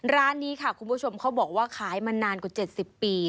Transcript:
ร้านนี้ค่ะคุณผู้ชมเขาบอกว่าขายมานานกว่า๗๐ปี